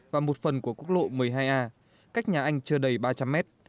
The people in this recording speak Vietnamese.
và một phần của quốc lộ một mươi hai a cách nhà anh chưa đầy ba trăm linh mét